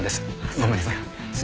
ごめんなさい。